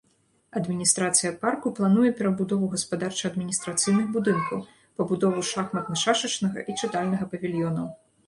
Адміністрацыя парку плануе перабудову гаспадарча-адміністрацыйных будынкаў, пабудову шахматна-шашачнага і чытальнага павільёнаў.